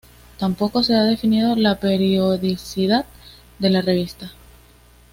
Tampoco se ha definido la periodicidad de la revista.